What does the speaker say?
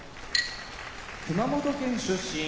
熊本県出身